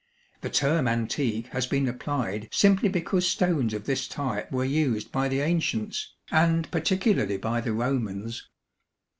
The term antique has been applied simply because stones of this type were used by the ancients, and particularly by the Romans.